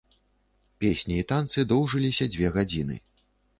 Песні і танцы доўжыліся дзве гадзіны.